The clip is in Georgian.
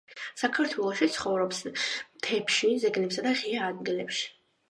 საქართველოში ცხოვრობს მთებში, ზეგნებსა და ღია ადგილებში.